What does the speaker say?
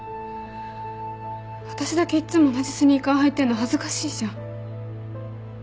私だけいつも同じスニーカー履いてるの恥ずかしいじゃん。